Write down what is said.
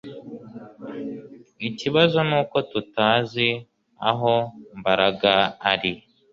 Ikibazo nuko tutazi aho Mbaraga ari